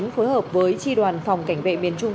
phối hợp với tri đoàn phòng cảnh vệ miền trung